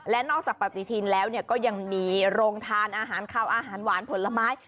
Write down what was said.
และนอกจากปฏิทินแล้วก็ยังมีโรงทานอาหารขาวอาหารหวานผลไม้